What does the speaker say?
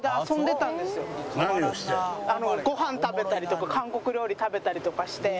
ごはん食べたりとか韓国料理食べたりとかして。